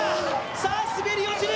さぁ、滑り落ちる。